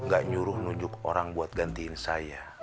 gak nyuruh nunjuk orang buat gantiin saya